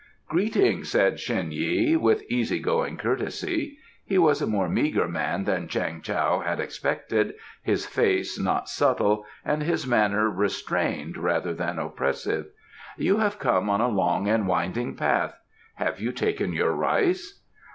"Greeting," said Shen Yi, with easy going courtesy. He was a more meagre man than Chang Tao had expected, his face not subtle, and his manner restrained rather than oppressive. "You have come on a long and winding path; have you taken your rice?"